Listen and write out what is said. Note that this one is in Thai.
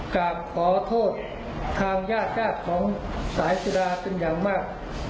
กากขอโทษทางญาชาของสายสุดาเป็นอย่างมาก